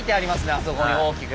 あそこに大きく。